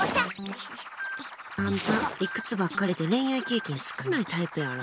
あんた、理屈ばっかりで恋愛経験少ないタイプやろ？